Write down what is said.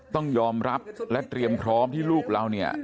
ต้องยอมรับและเตรียมพร้อมที่ลูกเราเนี่ย